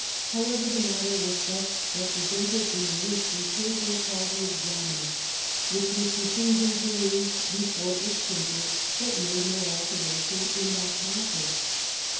However, the matter was thus represented in the weekly paper called the Examiner, which Mr. St. John perused before it was printed, but made no alteration in that passage.